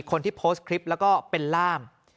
คนที่โพสต์คลิปแล้วก็เป็นล่าม